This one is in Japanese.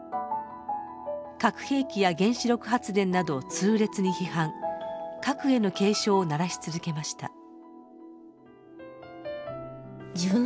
核兵器や原子力発電などを痛烈に批判核への警鐘を鳴らし続けました。